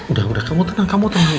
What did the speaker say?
udah udah kamu tenang kamu tenang dulu